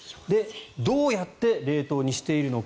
どうやって冷凍にしているのか。